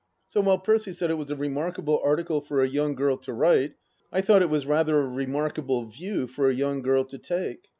So, while Percy said it was a remarkable article for a young girl to write, I thought it was rather a remarkable view for a young girl to take.